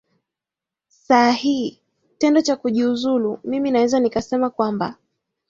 saa hii tendo cha kujiuzulu mimi naweza nikasema kwamba